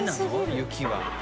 雪は。